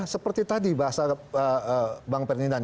seperti tadi bahasa bang ferdinand